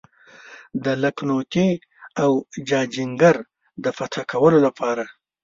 د لکهنوتي او جاجینګر د فتح کولو لپاره.